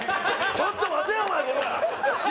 ちょっと待てよお前コラ！